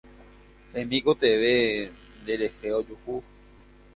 Hemikotevẽ nde rehe ojuhu